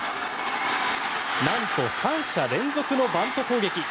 なんと３者連続のバント攻撃。